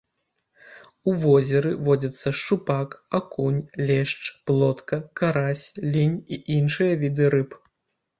У возеры водзяцца шчупак, акунь, лешч, плотка, карась, лінь і іншыя віды рыб.